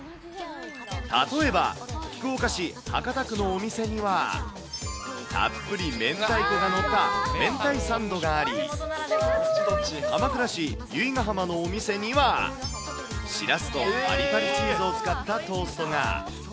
例えば福岡市博多区のお店には、たっぷり明太子が載っためんたいサンドがあり、鎌倉市由比ヶ浜のお店には、しらすとぱりぱりチーズを使ったトーストが。